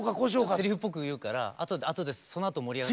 せりふっぽく言うからあとでそのあと盛り上がって。